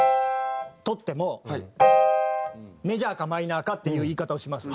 とってもメジャーかマイナーかっていう言い方をします。